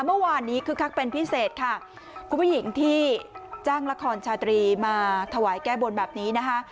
เมื่อวานนี้คึกคักเป็นพิเศษค่ะคุณผู้หญิงที่จ้างละครชาตรีมาถวายแก้บนแบบนี้นะคะ